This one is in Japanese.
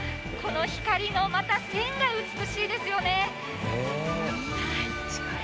この光のまた線が美しいですよね。